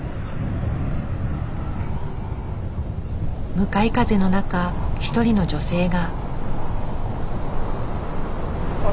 向かい風の中一人の女性が。